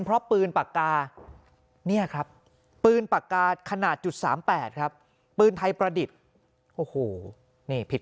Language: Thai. เพราะปืนปากกาเนี่ยครับปืนปากกาขนาดจุด๓๘ครับปืนไทยประดิษฐ์โอ้โหนี่ผิด